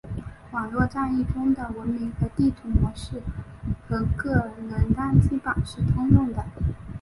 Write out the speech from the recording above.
网络战役中的文明和地图模式和个人单机版是通用的。